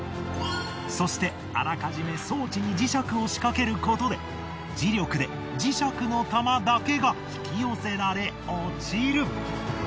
そしてあらかじめ装置に磁石を仕掛けることで磁力で磁石の玉だけが引き寄せられ落ちる。